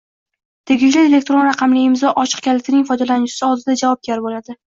tegishli elektron raqamli imzo ochiq kalitining foydalanuvchisi oldida javobgar bo‘ladi.